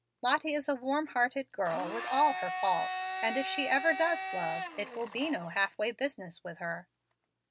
Lottie is a warm hearted girl with all her faults, and if she ever does love, it will be no half way business with her.